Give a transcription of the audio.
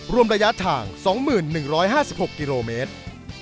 รวมระยะทาง๒๑๕๖กิโลเมตร